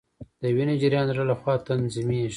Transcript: د وینې جریان د زړه لخوا تنظیمیږي